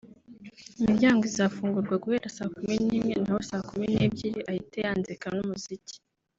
imiryango izafungurwa guhera saa kumi n’imwe naho saa kumi n’ebyiri ahite yanzika n’umuziki